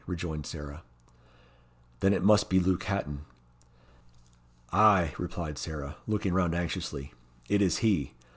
rejoined Sarah. "Then it must be Luke Hatton." "Ay," replied Sarah, looking round anxiously. "It is he.